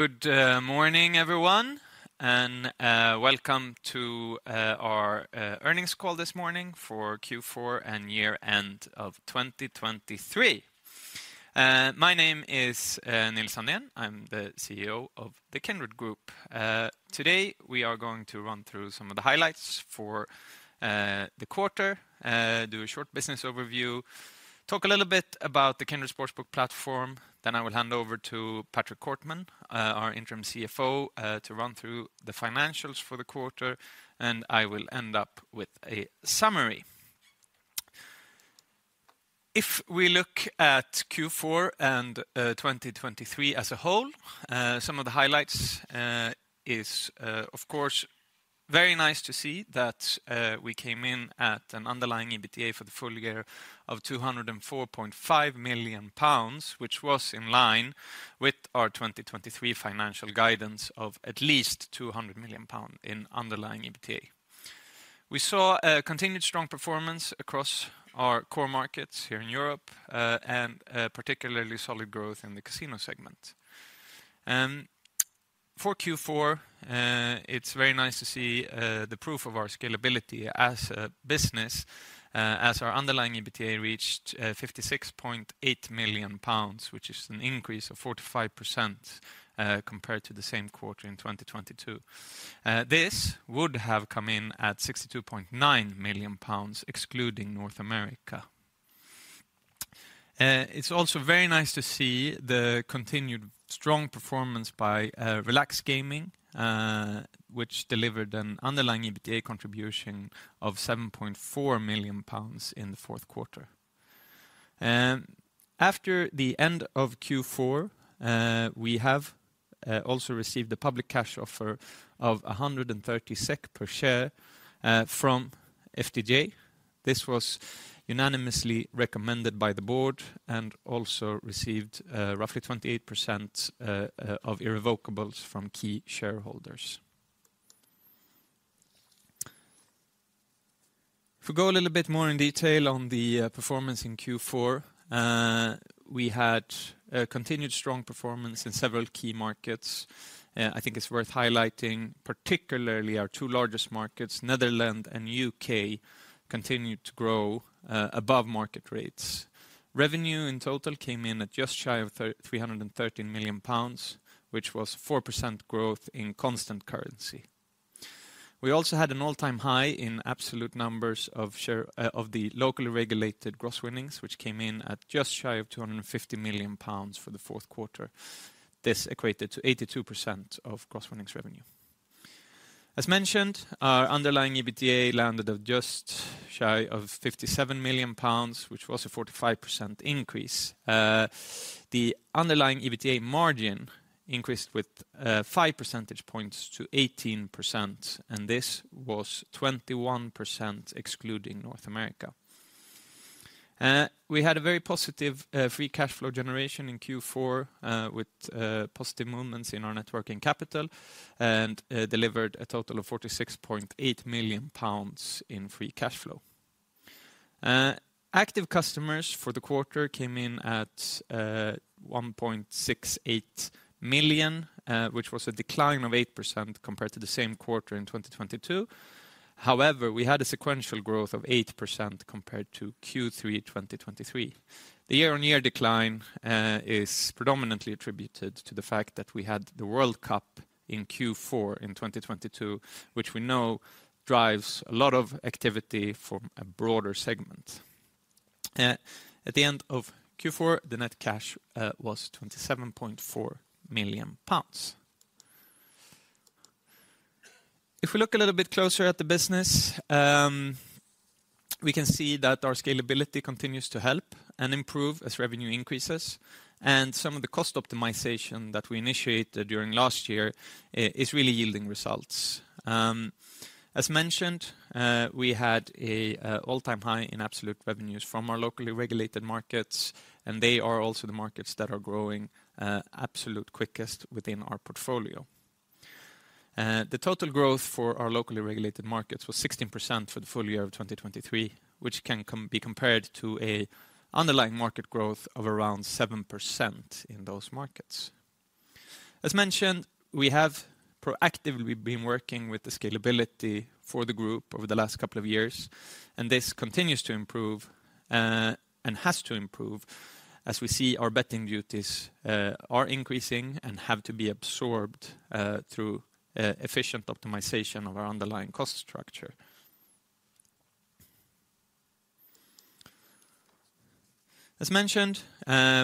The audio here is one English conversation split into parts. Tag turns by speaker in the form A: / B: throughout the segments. A: Good morning, everyone, and welcome to our earnings call this morning for Q4 and year-end of 2023. My name is Nils Andén. I'm the CEO of the Kindred Group. Today, we are going to run through some of the highlights for the quarter, do a short business overview, talk a little bit about the Kindred Sportsbook Platform. Then I will hand over to Patrick Kortman, our interim CFO, to run through the financials for the quarter, and I will end up with a summary. If we look at Q4 and 2023 as a whole, some of the highlights is, of course, very nice to see that we came in at an underlying EBITDA for the full year of 204.5 million pounds, which was in line with our 2023 financial guidance of at least 200 million pounds in underlying EBITDA. We saw a continued strong performance across our core markets here in Europe, and particularly solid growth in the casino segment. For Q4, it's very nice to see the proof of our scalability as a business, as our underlying EBITDA reached 56.8 million pounds, which is an increase of 45% compared to the same quarter in 2022. This would have come in at 62.9 million pounds, excluding North America. It's also very nice to see the continued strong performance by Relax Gaming, which delivered an underlying EBITDA contribution of 7.4 million pounds in the fourth quarter. After the end of Q4, we have also received a public cash offer of 130 SEK per share from FDJ. This was unanimously recommended by the board and also received roughly 28% of irrevocables from key shareholders. If we go a little bit more in detail on the performance in Q4, we had a continued strong performance in several key markets. I think it's worth highlighting, particularly our two largest markets, Netherlands and UK, continued to grow above market rates. Revenue in total came in at just shy of 313 million pounds, which was 4% growth in constant currency. We also had an all-time high in absolute numbers of share of the locally regulated gross winnings, which came in at just shy of 250 million pounds for the fourth quarter. This equated to 82% of gross winnings revenue. As mentioned, our underlying EBITDA landed at just shy of 57 million pounds, which was a 45% increase. The underlying EBITDA margin increased with five percentage points to 18%, and this was 21%, excluding North America. We had a very positive free cash flow generation in Q4, with positive movements in our net working capital and delivered a total of 46.8 million pounds in free cash flow. Active customers for the quarter came in at 1.68 million, which was a decline of 8% compared to the same quarter in 2022. However, we had a sequential growth of 8% compared to Q3 2023. The year-on-year decline is predominantly attributed to the fact that we had the World Cup in Q4 in 2022, which we know drives a lot of activity for a broader segment. At the end of Q4, the net cash was 27.4 million pounds. If we look a little bit closer at the business, we can see that our scalability continues to help and improve as revenue increases, and some of the cost optimization that we initiated during last year is really yielding results. As mentioned, we had a all-time high in absolute revenues from our locally regulated markets, and they are also the markets that are growing absolute quickest within our portfolio. The total growth for our locally regulated markets was 16% for the full year of 2023, which can be compared to a underlying market growth of around 7% in those markets. As mentioned, we have proactively been working with the scalability for the group over the last couple of years, and this continues to improve, and has to improve as we see our betting duties are increasing and have to be absorbed through efficient optimization of our underlying cost structure. As mentioned,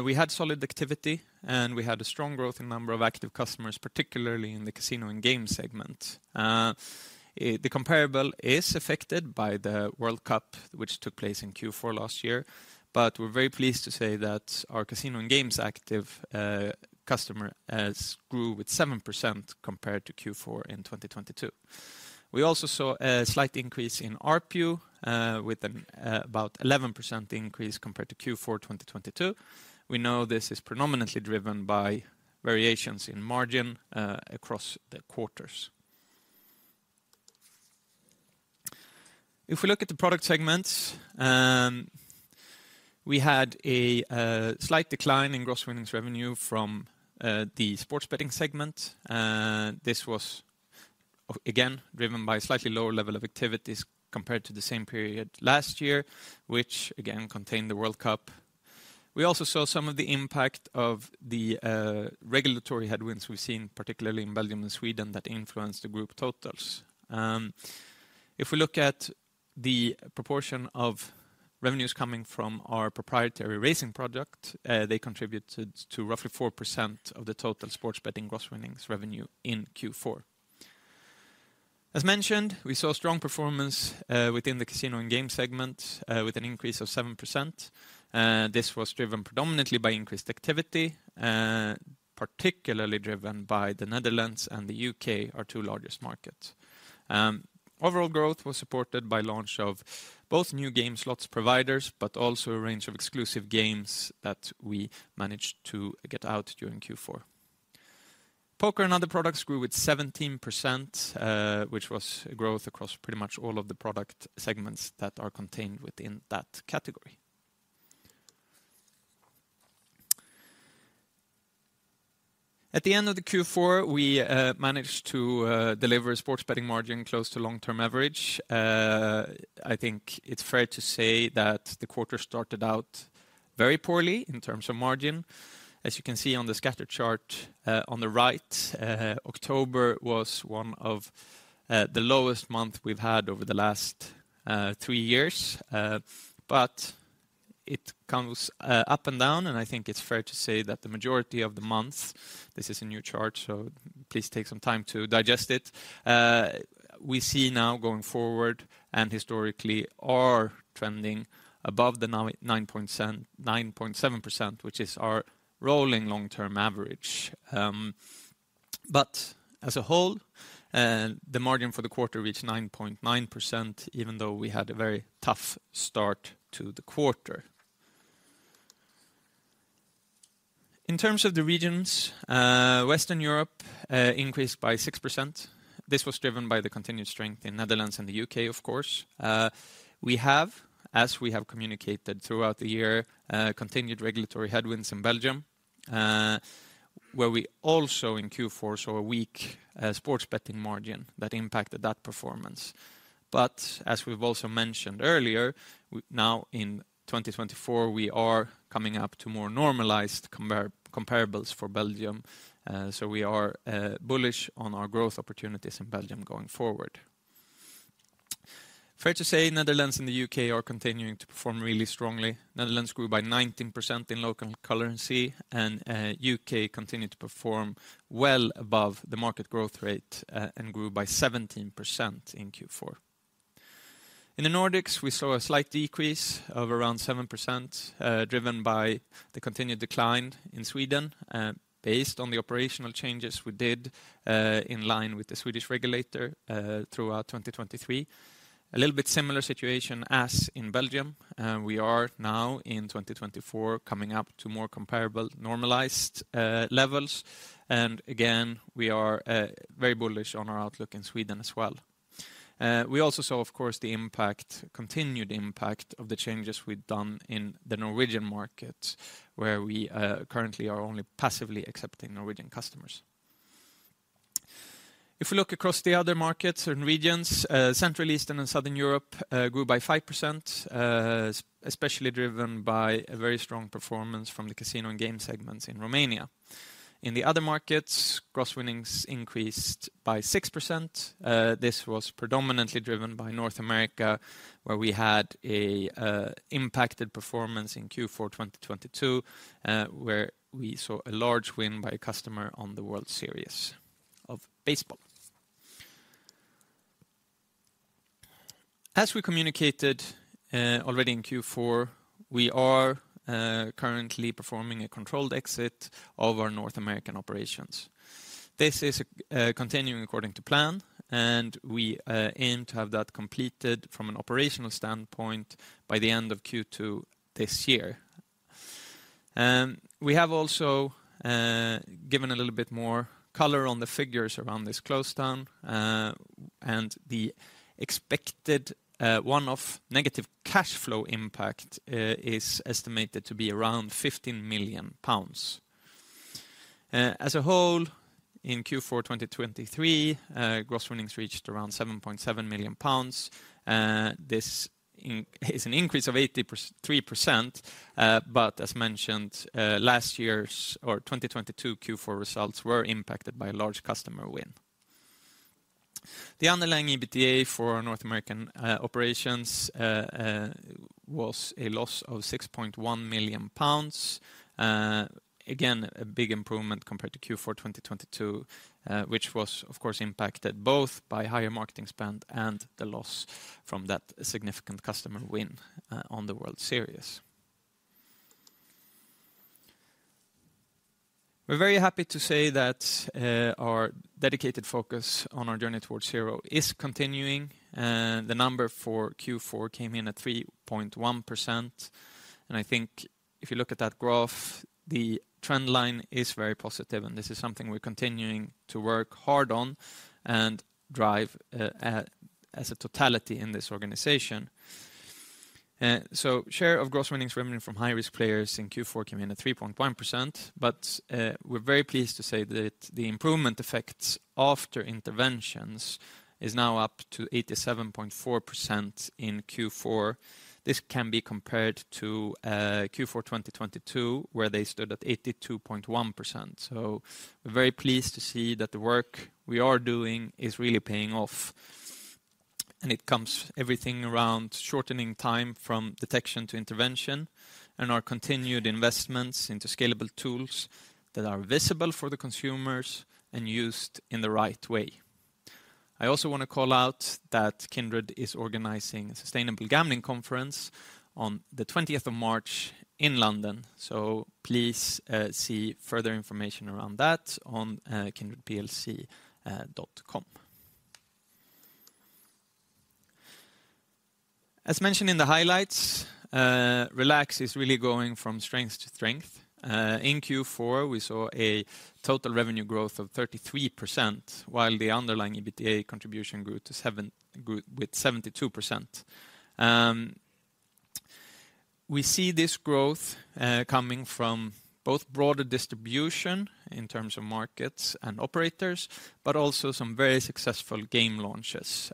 A: we had solid activity, and we had a strong growth in number of active customers, particularly in the casino and games segment. The comparable is affected by the World Cup, which took place in Q4 last year, but we're very pleased to say that our casino and games active customer grew with 7% compared to Q4 in 2022. We also saw a slight increase in ARPU with an about 11% increase compared to Q4 2022. We know this is predominantly driven by variations in margin across the quarters. If we look at the product segments, we had a slight decline in gross winnings revenue from the sports betting segment. This was, again, driven by slightly lower level of activities compared to the same period last year, which again contained the World Cup. We also saw some of the impact of the regulatory headwinds we've seen, particularly in Belgium and Sweden, that influenced the group totals. If we look at the proportion of revenues coming from our proprietary racing product, they contributed to roughly 4% of the total sports betting gross winnings revenue in Q4. As mentioned, we saw strong performance within the casino and game segment with an increase of 7%. This was driven predominantly by increased activity, particularly driven by the Netherlands and the U.K., our two largest markets. Overall growth was supported by launch of both new game slots providers, but also a range of exclusive games that we managed to get out during Q4. Poker and other products grew with 17%, which was growth across pretty much all of the product segments that are contained within that category. At the end of Q4, we managed to deliver a sports betting margin close to long-term average. I think it's fair to say that the quarter started out very poorly in terms of margin. As you can see on the scatter chart on the right, October was one of the lowest month we've had over the last 3 years. But it comes up and down, and I think it's fair to say that the majority of the months, this is a new chart, so please take some time to digest it. We see now going forward and historically are trending above the 9.7%, which is our rolling long-term average. But as a whole, the margin for the quarter reached 9.9%, even though we had a very tough start to the quarter. In terms of the regions, Western Europe increased by 6%. This was driven by the continued strength in Netherlands and the U.K., of course. We have, as we have communicated throughout the year, continued regulatory headwinds in Belgium, where we also in Q4 saw a weak sports betting margin that impacted that performance. But as we've also mentioned earlier, now in 2024, we are coming up to more normalized comparables for Belgium. So we are bullish on our growth opportunities in Belgium going forward. Fair to say, Netherlands and the U.K. are continuing to perform really strongly. Netherlands grew by 19% in local currency, and U.K. continued to perform well above the market growth rate, and grew by 17% in Q4. In the Nordics, we saw a slight decrease of around 7%, driven by the continued decline in Sweden, based on the operational changes we did in line with the Swedish regulator throughout 2023. A little bit similar situation as in Belgium. We are now in 2024, coming up to more comparable, normalized levels. And again, we are very bullish on our outlook in Sweden as well. We also saw, of course, the impact, continued impact of the changes we've done in the Norwegian market, where we currently are only passively accepting Norwegian customers. If we look across the other markets and regions, Central, Eastern, and Southern Europe grew by 5%, especially driven by a very strong performance from the casino and game segments in Romania. In the other markets, gross winnings increased by 6%. This was predominantly driven by North America, where we had an impacted performance in Q4 2022, where we saw a large win by a customer on the World Series of Baseball. As we communicated already in Q4, we are currently performing a controlled exit of our North American operations. This is continuing according to plan, and we aim to have that completed from an operational standpoint by the end of Q2 this year. We have also given a little bit more color on the figures around this close down, and the expected one-off negative cash flow impact is estimated to be around 15 million pounds. As a whole, in Q4 2023, gross winnings reached around 7.7 million pounds. This is an increase of 83%, but as mentioned, last year's or 2022 Q4 results were impacted by a large customer win. The underlying EBITDA for North American operations was a loss of 6.1 million pounds. Again, a big improvement compared to Q4 2022, which was, of course, impacted both by higher marketing spend and the loss from that significant customer win on the World Series. We're very happy to say that our dedicated focus on our Journey towards Zero is continuing, the number for Q4 came in at 3.1%, and I think if you look at that graph, the trend line is very positive, and this is something we're continuing to work hard on and drive as a totality in this organization. So share of gross winnings revenue from high-risk players in Q4 came in at 3.1%, but, we're very pleased to say that the improvement effects after interventions is now up to 87.4% in Q4. This can be compared to, Q4 2022, where they stood at 82.1%. So we're very pleased to see that the work we are doing is really paying off. And it comes everything around shortening time from detection to intervention, and our continued investments into scalable tools that are visible for the consumers and used in the right way. I also want to call out that Kindred is organizing a Sustainable Gambling Conference on the 20th of March in London. So please, see further information around that on, kindredplc.com. As mentioned in the highlights, Relax is really going from strength to strength. In Q4, we saw a total revenue growth of 33%, while the underlying EBITDA contribution grew with 72%. We see this growth coming from both broader distribution in terms of markets and operators, but also some very successful game launches.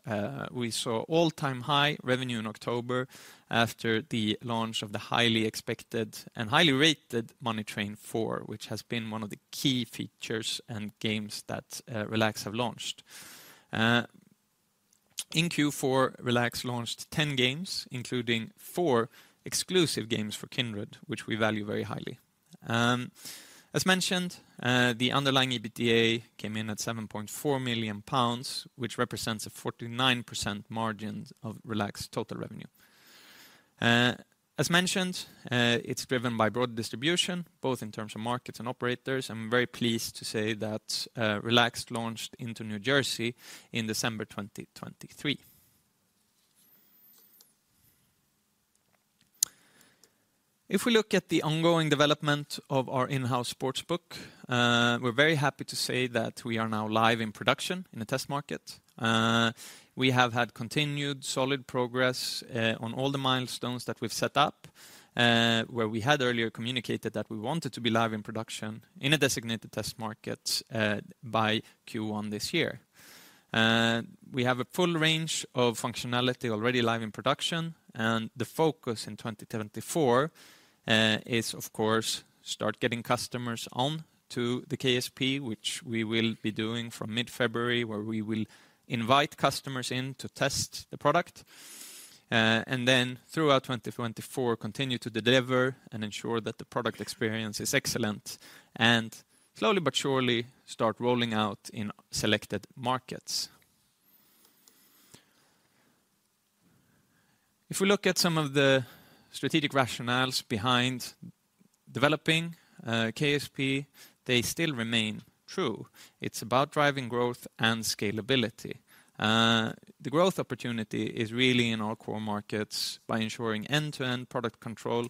A: We saw all-time high revenue in October after the launch of the highly expected and highly rated Money Train 4, which has been one of the key features and games that Relax have launched. In Q4, Relax launched 10 games, including four exclusive games for Kindred, which we value very highly. As mentioned, the underlying EBITDA came in at 7.4 million pounds, which represents a 49% margin of Relax total revenue. As mentioned, it's driven by broad distribution, both in terms of markets and operators. I'm very pleased to say that, Relax launched into New Jersey in December 2023. If we look at the ongoing development of our in-house sportsbook, we're very happy to say that we are now live in production in a test market. We have had continued solid progress, on all the milestones that we've set up, where we had earlier communicated that we wanted to be live in production in a designated test market, by Q1 this year. We have a full range of functionality already live in production, and the focus in 2024 is, of course, start getting customers on to the KSP, which we will be doing from mid-February, where we will invite customers in to test the product, and then throughout 2024, continue to deliver and ensure that the product experience is excellent, and slowly but surely, start rolling out in selected markets. If we look at some of the strategic rationales behind developing KSP, they still remain true. It's about driving growth and scalability. The growth opportunity is really in our core markets by ensuring end-to-end product control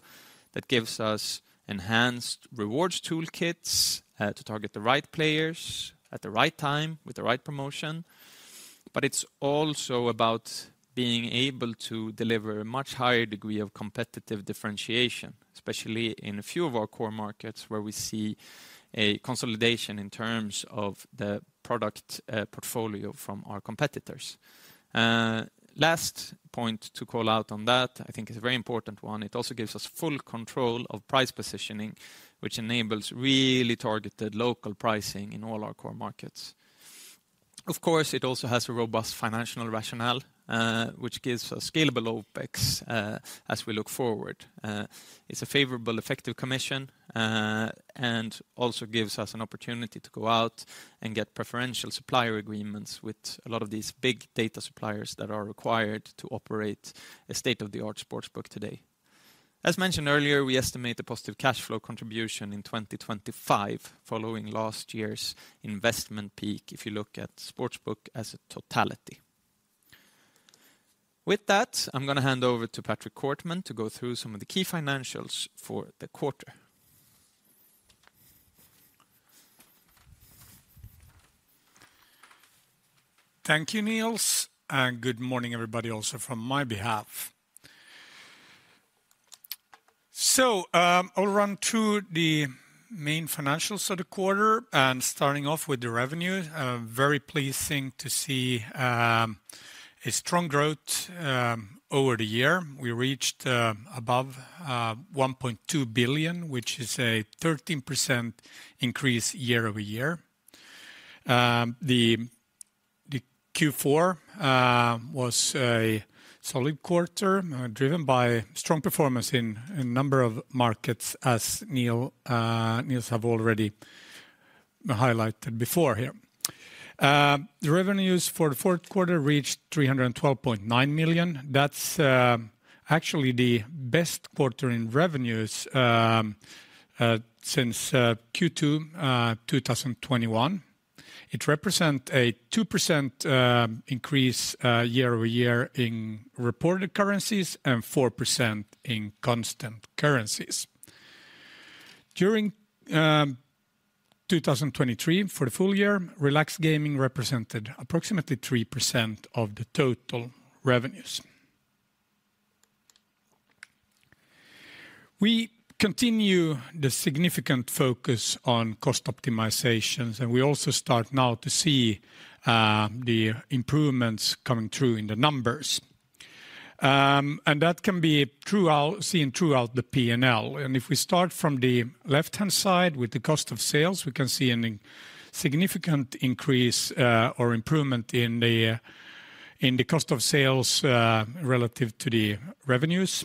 A: that gives us enhanced rewards toolkits to target the right players at the right time with the right promotion. But it's also about being able to deliver a much higher degree of competitive differentiation, especially in a few of our core markets, where we see a consolidation in terms of the product portfolio from our competitors. Last point to call out on that, I think is a very important one. It also gives us full control of price positioning, which enables really targeted local pricing in all our core markets. Of course, it also has a robust financial rationale, which gives us scalable OpEx as we look forward. It's a favorable, effective commission, and also gives us an opportunity to go out and get preferential supplier agreements with a lot of these big data suppliers that are required to operate a state-of-the-art sportsbook today. As mentioned earlier, we estimate a positive cash flow contribution in 2025, following last year's investment peak, if you look at sportsbook as a totality. With that, I'm gonna hand over to Patrick Kortman to go through some of the key financials for the quarter.
B: Thank you, Nils, and good morning, everybody, also from my behalf. I'll run through the main financials of the quarter and starting off with the revenue. Very pleasing to see a strong growth over the year. We reached above 1.2 billion, which is a 13% increase year-over-year. The Q4 was a solid quarter driven by strong performance in a number of markets, as Nil, Nils have already highlighted before here. The revenues for the fourth quarter reached 312.9 million. That's actually the best quarter in revenues since Q2 2021. It represent a 2% increase year-over-year in reported currencies and 4% in constant currencies.... During 2023, for the full year, Relax Gaming represented approximately 3% of the total revenues. We continue the significant focus on cost optimizations, and we also start now to see the improvements coming through in the numbers. And that can be seen throughout the P&L. If we start from the left-hand side, with the cost of sales, we can see a significant increase or improvement in the cost of sales relative to the revenues.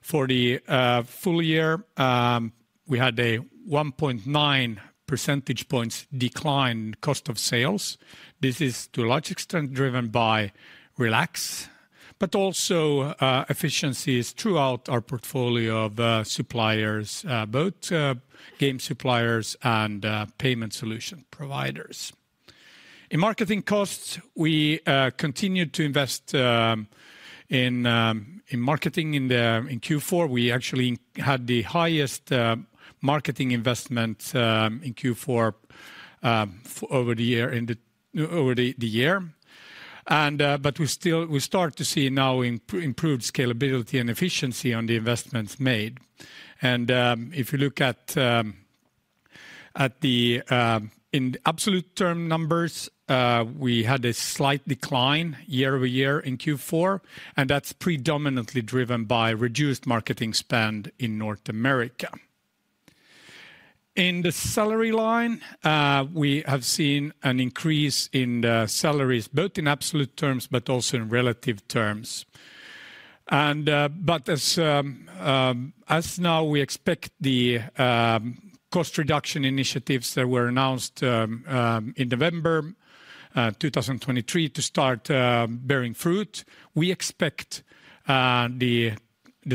B: For the full year, we had a 1.9 percentage points decline cost of sales. This is to a large extent driven by Relax, but also efficiencies throughout our portfolio of suppliers, both game suppliers and payment solution providers. In marketing costs, we continued to invest in marketing in Q4, we actually had the highest marketing investment in Q4 over the year. But we start to see now improved scalability and efficiency on the investments made. If you look at the absolute term numbers, we had a slight decline year-over-year in Q4, and that's predominantly driven by reduced marketing spend in North America. In the salary line, we have seen an increase in the salaries, both in absolute terms, but also in relative terms. As of now, we expect the cost reduction initiatives that were announced in November 2023 to start bearing fruit. We expect the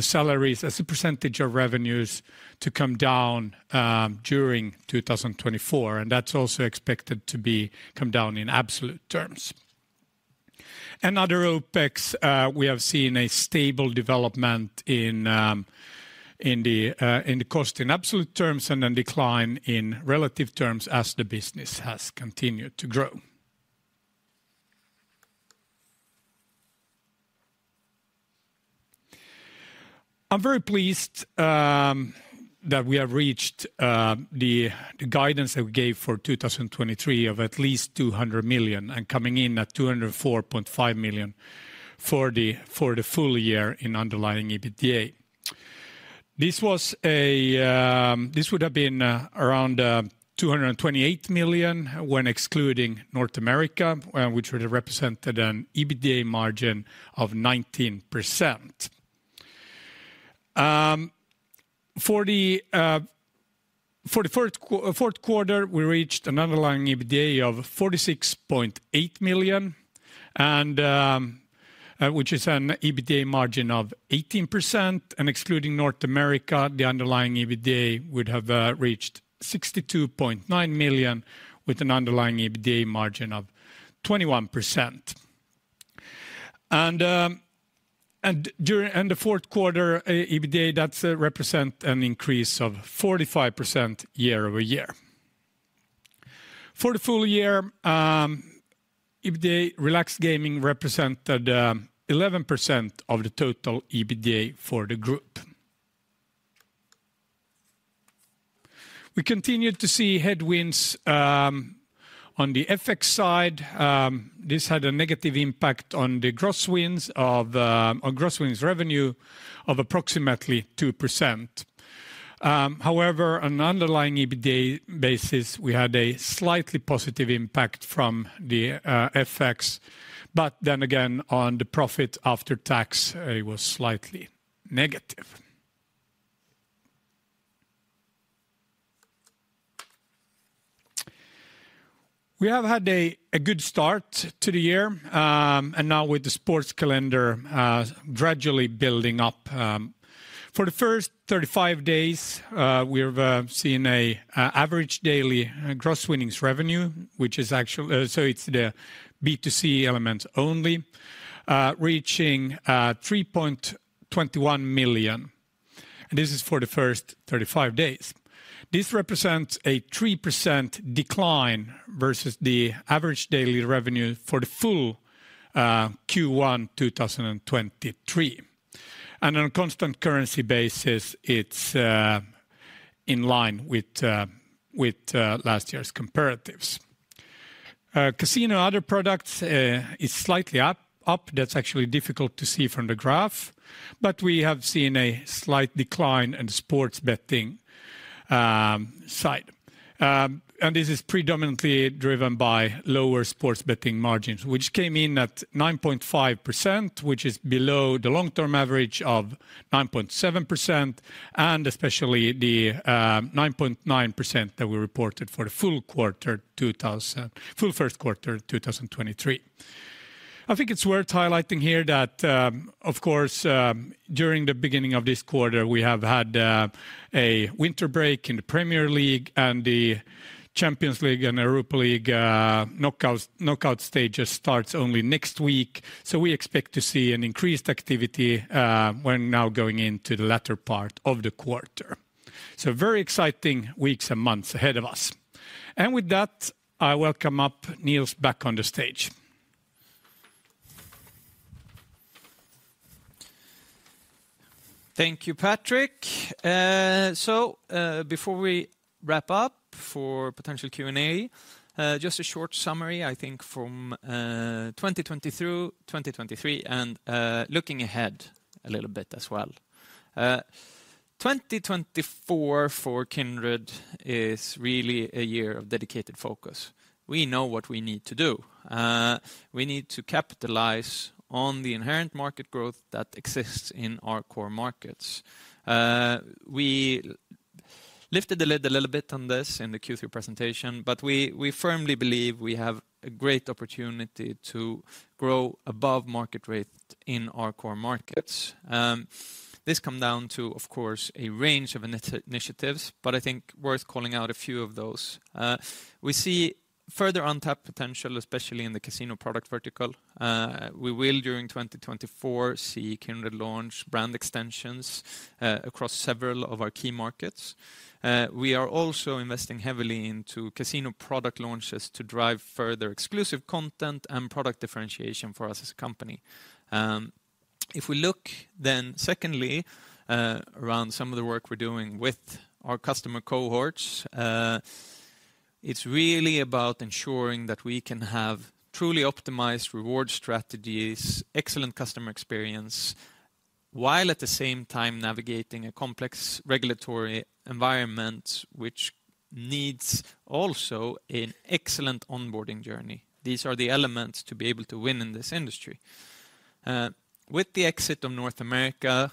B: salaries as a percentage of revenues to come down during 2024, and that's also expected to come down in absolute terms. Other OpEx, we have seen a stable development in the cost in absolute terms, and a decline in relative terms as the business has continued to grow. I'm very pleased that we have reached the guidance that we gave for 2023 of at least 200 million, and coming in at 204.5 million for the full year in underlying EBITDA. This would have been around 228 million when excluding North America, which would have represented an EBITDA margin of 19%. For the fourth quarter, we reached an underlying EBITDA of 46.8 million, and which is an EBITDA margin of 18%, and excluding North America, the underlying EBITDA would have reached 62.9 million, with an underlying EBITDA margin of 21%. And in the fourth quarter, EBITDA that represent an increase of 45% year-over-year. For the full year, EBITDA Relax Gaming represented 11% of the total EBITDA for the group. We continued to see headwinds on the FX side. This had a negative impact on the gross wins of, on gross wins revenue of approximately 2%. However, on an underlying EBITDA basis, we had a slightly positive impact from the FX, but then again, on the profit after tax, it was slightly negative. We have had a good start to the year, and now with the sports calendar gradually building up. For the first 35 days, we have seen an average daily gross winnings revenue, which is actually, so it's the B2C element only, reaching 3.21 million, and this is for the first 35 days. This represents a 3% decline versus the average daily revenue for the full Q1 2023. And on a constant currency basis, it's in line with last year's comparatives. Casino other products is slightly up. That's actually difficult to see from the graph, but we have seen a slight decline in sports betting side. This is predominantly driven by lower sports betting margins, which came in at 9.5%, which is below the long-term average of 9.7%, and especially the 9.9% that we reported for the full first quarter 2023. I think it's worth highlighting here that, of course, during the beginning of this quarter, we have had a winter break in the Premier League and the Champions League and Europa League knockout stages starts only next week. So we expect to see an increased activity when now going into the latter part of the quarter. Very exciting weeks and months ahead of us. With that, I welcome up Nils back on the stage.
A: Thank you, Patrick. So, before we wrap up for potential Q&A, just a short summary, I think from 2023, and looking ahead a little bit as well. 2024 for Kindred is really a year of dedicated focus. We know what we need to do. We need to capitalize on the inherent market growth that exists in our core markets. We lifted the lid a little bit on this in the Q3 presentation, but we firmly believe we have a great opportunity to grow above market rate in our core markets. This come down to, of course, a range of initiatives, but I think worth calling out a few of those. We see further untapped potential, especially in the casino product vertical. We will, during 2024, see Kindred launch brand extensions across several of our key markets. We are also investing heavily into casino product launches to drive further exclusive content and product differentiation for us as a company. If we look then secondly around some of the work we're doing with our customer cohorts, it's really about ensuring that we can have truly optimized reward strategies, excellent customer experience, while at the same time navigating a complex regulatory environment, which needs also an excellent onboarding journey. These are the elements to be able to win in this industry. With the exit of North America,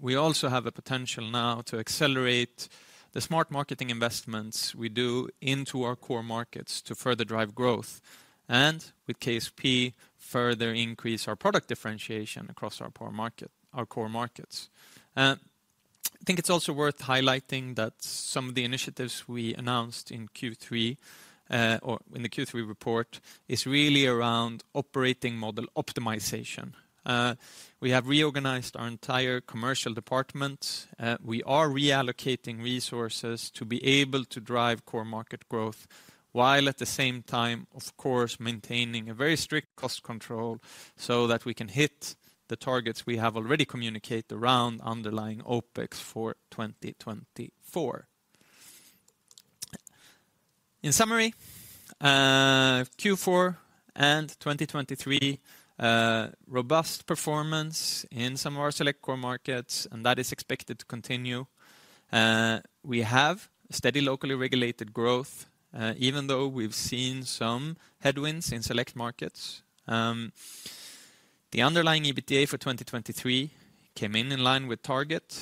A: we also have the potential now to accelerate the smart marketing investments we do into our core markets to further drive growth, and with KSP, further increase our product differentiation across our core markets. I think it's also worth highlighting that some of the initiatives we announced in Q3, or in the Q3 report, is really around operating model optimization. We have reorganized our entire commercial department. We are reallocating resources to be able to drive core market growth, while at the same time, of course, maintaining a very strict cost control so that we can hit the targets we have already communicated around underlying OpEx for 2024. In summary, Q4 and 2023, robust performance in some of our select core markets, and that is expected to continue. We have steady, locally regulated growth, even though we've seen some headwinds in select markets. The underlying EBITDA for 2023 came in in line with target,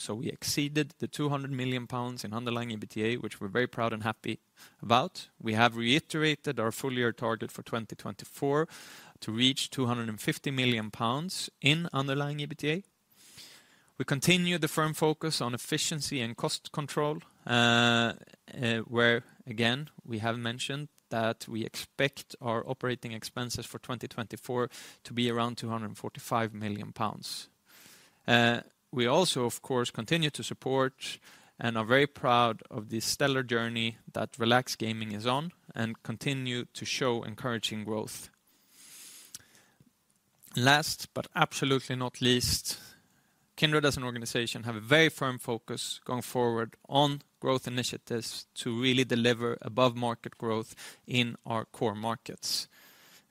A: so we exceeded the 200 million pounds in underlying EBITDA, which we're very proud and happy about. We have reiterated our full year target for 2024 to reach 250 million pounds in underlying EBITDA. We continue the firm focus on efficiency and cost control, where again, we have mentioned that we expect our operating expenses for 2024 to be around 245 million pounds. We also, of course, continue to support and are very proud of the stellar journey that Relax Gaming is on, and continue to show encouraging growth. Last, but absolutely not least, Kindred, as an organization, have a very firm focus going forward on growth initiatives to really deliver above market growth in our core markets.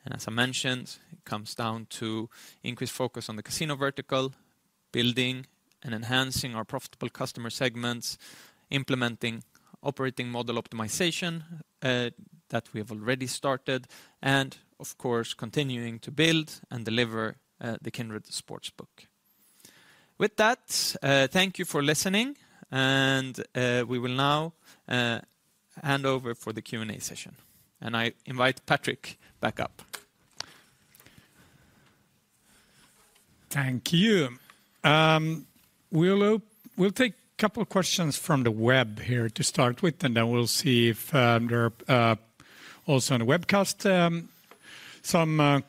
A: And as I mentioned, it comes down to increased focus on the casino vertical, building and enhancing our profitable customer segments, implementing operating model optimization that we have already started, and of course, continuing to build and deliver the Kindred Sportsbook. With that, thank you for listening, and we will now hand over for the Q&A session. I invite Patrick back up.
B: Thank you. We'll take a couple of questions from the web here to start with, and then we'll see if there are also on the webcast some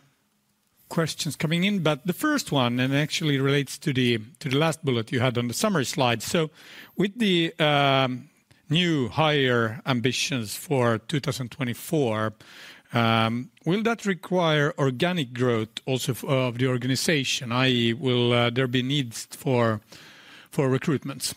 B: questions coming in. But the first one, and actually relates to the last bullet you had on the summary slide. So with the new higher ambitions for 2024, will that require organic growth also of the organization? i.e., will there be needs for recruitments?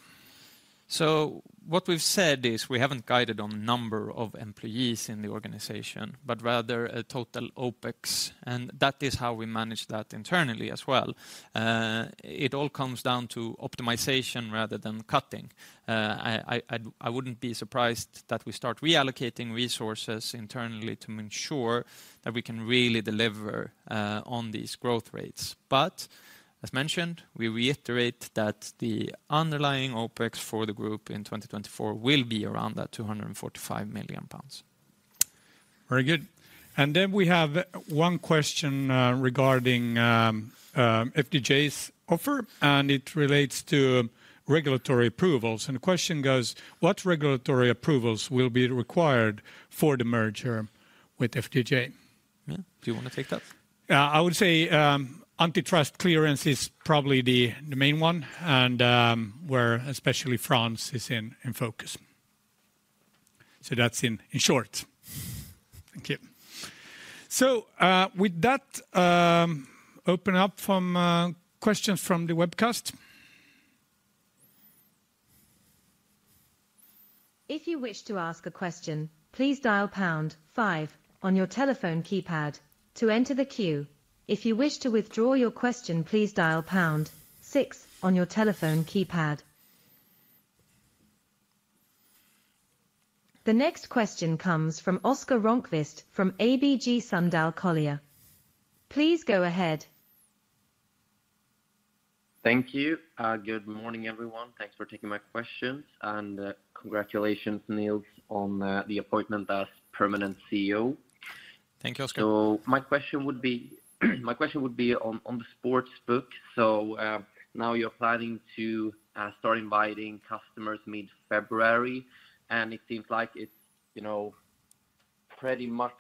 A: So what we've said is we haven't guided on number of employees in the organization, but rather a total OpEx, and that is how we manage that internally as well. It all comes down to optimization rather than cutting. I wouldn't be surprised that we start reallocating resources internally to ensure that we can really deliver on these growth rates. But as mentioned, we reiterate that the underlying OpEx for the group in 2024 will be around that 245 million pounds.
B: Very good. And then we have one question, regarding FDJ's offer, and it relates to regulatory approvals. And the question goes: What regulatory approvals will be required for the merger with FDJ?...
A: Yeah, do you want to take that?
B: I would say, antitrust clearance is probably the main one, and where especially France is in focus. So that's in short. Thank you. So, with that, open up from questions from the webcast.
C: If you wish to ask a question, please dial pound five on your telephone keypad to enter the queue. If you wish to withdraw your question, please dial pound six on your telephone keypad. The next question comes from Oscar Rönnkvist from ABG Sundal Collier. Please go ahead.
D: Thank you. Good morning, everyone. Thanks for taking my questions, and congratulations, Nils, on the appointment as permanent CEO.
B: Thank you, Oscar.
D: So my question would be, my question would be on, on the sportsbook. So, now you're planning to start inviting customers mid-February, and it seems like it's, you know, pretty much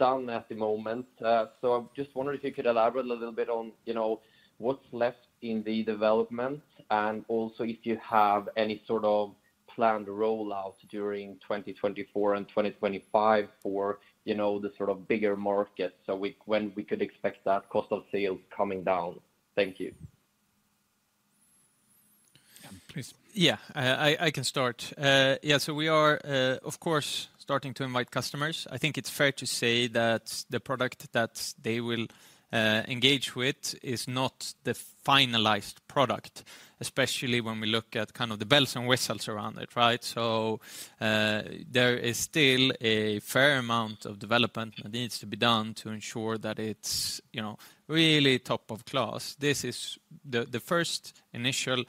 D: done at the moment. So I'm just wondering if you could elaborate a little bit on, you know, what's left in the development, and also if you have any sort of planned rollout during 2024 and 2025 for, you know, the sort of bigger market. So, when we could expect that cost of sales coming down. Thank you.
B: Yeah, please.
A: Yeah, I can start. Yeah, so we are, of course, starting to invite customers. I think it's fair to say that the product that they will engage with is not the finalized product, especially when we look at kind of the bells and whistles around it, right? So, there is still a fair amount of development that needs to be done to ensure that it's, you know, really top of class. This is the first initial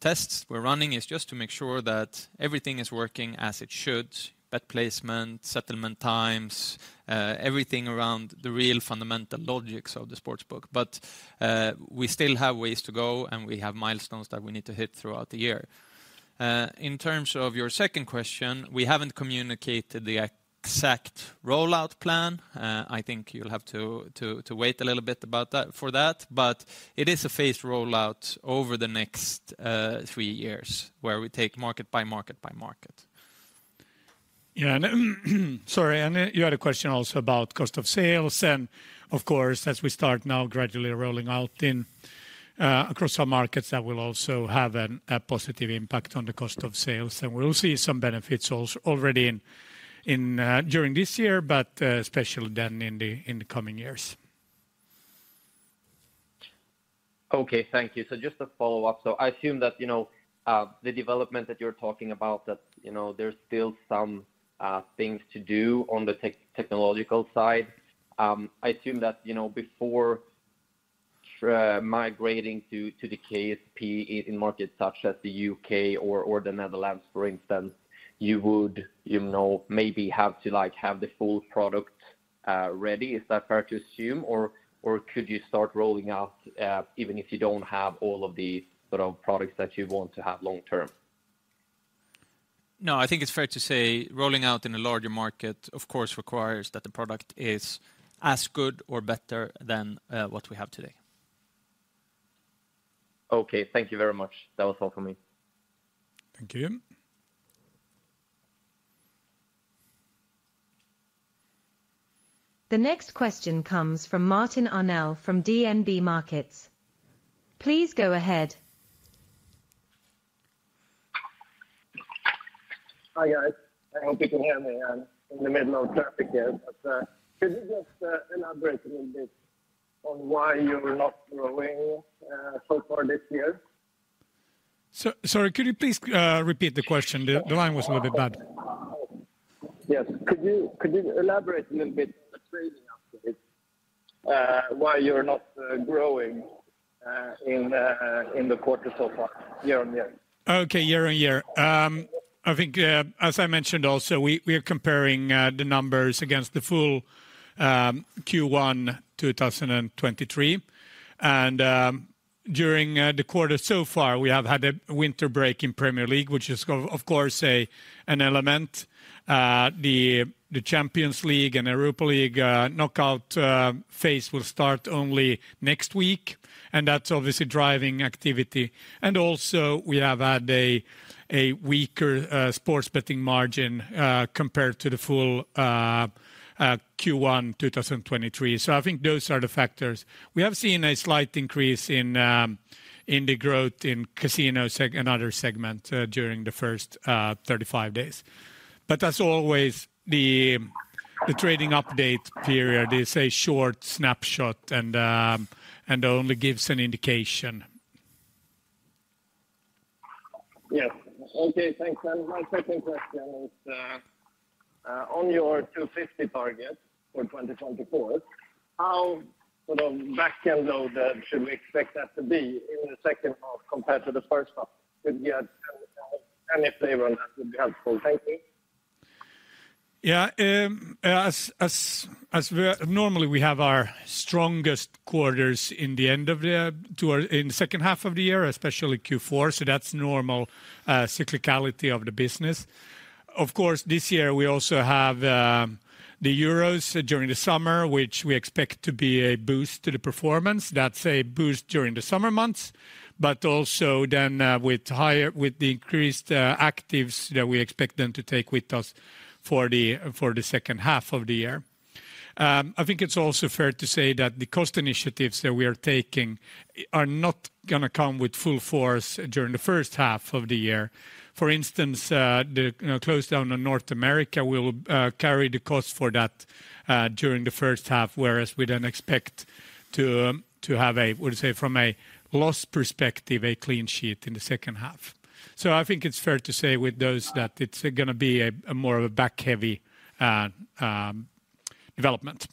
A: tests we're running is just to make sure that everything is working as it should, bet placement, settlement times, everything around the real fundamental logics of the sportsbook. But, we still have ways to go, and we have milestones that we need to hit throughout the year. In terms of your second question, we haven't communicated the exact rollout plan. I think you'll have to wait a little bit about that—for that, but it is a phased rollout over the next three years, where we take market by market by market.
B: Yeah, sorry, and then you had a question also about cost of sales, and of course, as we start now gradually rolling out across our markets, that will also have a positive impact on the cost of sales. We'll see some benefits already during this year, but especially then in the coming years.
D: Okay, thank you. So just a follow-up: so I assume that, you know, the development that you're talking about, that, you know, there's still some things to do on the technological side. I assume that, you know, before migrating to the KSP in markets such as the U.K. or the Netherlands, for instance, you would, you know, maybe have to, like, have the full product ready. Is that fair to assume, or could you start rolling out even if you don't have all of the sort of products that you want to have long term?
A: No, I think it's fair to say rolling out in a larger market, of course, requires that the product is as good or better than what we have today.
D: Okay, thank you very much. That was all for me.
B: Thank you.
C: The next question comes from Martin Arnell from DNB Markets. Please go ahead.
E: Hi, guys. I hope you can hear me. I'm in the middle of traffic here. But, could you just elaborate a little bit on why you're not growing so far this year?
B: Sorry, could you please repeat the question? The line was a little bit bad.
E: Yes. Could you elaborate a little bit on the trading update, why you're not growing in the quarter so far, year on year?
B: Okay, year-on-year. I think, as I mentioned also, we are comparing the numbers against the full Q1 2023. During the quarter so far, we have had a winter break in Premier League, which is of course an element. The Champions League and Europa League knockout phase will start only next week, and that's obviously driving activity. Also, we have had a weaker sports betting margin compared to the full Q1 2023. So I think those are the factors. We have seen a slight increase in the growth in casino segment and other segment during the first 35 days. But as always, the trading update period is a short snapshot and only gives an indication.
E: Yes. Okay, thanks. My second question is, on your 250 target for 2024, how sort of back-end loaded should we expect that to be in the second half compared to the first half? Could you add any flavor on that would be helpful. Thank you.
B: Yeah, as we normally have our strongest quarters in the end of the year, toward in the second half of the year, especially Q4, so that's normal cyclicality of the business. Of course, this year we also have the Euros during the summer, which we expect to be a boost to the performance. That's a boost during the summer months, but also then with the increased actives that we expect them to take with us for the second half of the year. I think it's also fair to say that the cost initiatives that we are taking are not gonna come with full force during the first half of the year. For instance, you know, the close down on North America will carry the cost for that during the first half, whereas we don't expect to have a, we'll say, from a loss perspective, a clean sheet in the second half. So I think it's fair to say with those that it's gonna be a more of a back heavy development.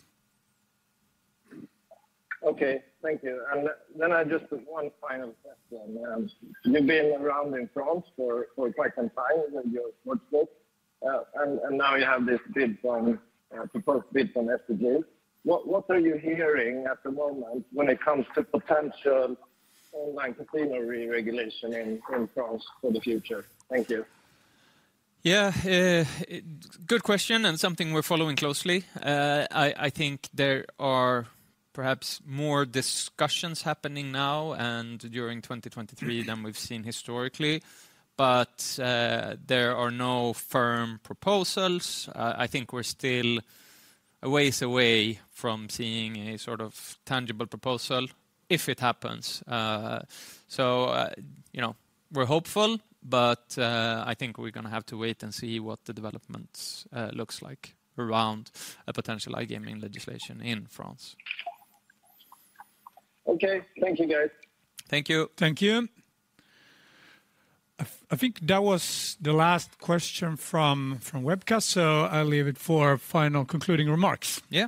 E: Okay, thank you. And then I just have one final question. You've been around in France for quite some time with your sportsbook, and now you have this proposed bid from FDJ. What are you hearing at the moment when it comes to potential online casino reregulation in France for the future? Thank you.
A: Yeah, good question, and something we're following closely. I think there are perhaps more discussions happening now and during 2023 than we've seen historically. But, there are no firm proposals. I think we're still a ways away from seeing a sort of tangible proposal, if it happens. So, you know, we're hopeful, but I think we're gonna have to wait and see what the developments looks like around a potential iGaming legislation in France.
E: Okay. Thank you, guys.
A: Thank you.
B: Thank you. I think that was the last question from webcast, so I'll leave it for final concluding remarks.
A: Yeah.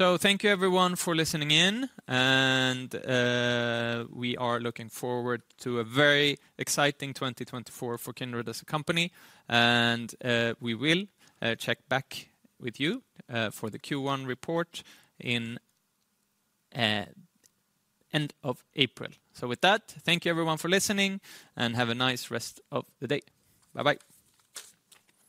A: So thank you, everyone, for listening in, and we are looking forward to a very exciting 2024 for Kindred as a company. And we will check back with you for the Q1 report in end of April. So with that, thank you everyone for listening, and have a nice rest of the day. Bye-bye.